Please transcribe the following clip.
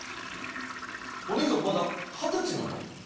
お兄さんまだ二十歳なの？